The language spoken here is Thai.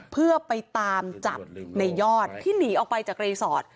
เพื่อไปตามจับในยอดที่หนีออกไปจากรีสอร์ท